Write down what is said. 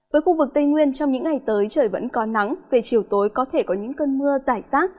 với khu vực tây nguyên trong những ngày tới trời vẫn có nắng về chiều tối có thể có những cơn mưa giải rác